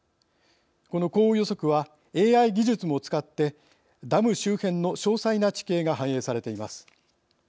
この降雨予測はＡＩ技術も使ってダム周辺の詳細な地形が反映されています。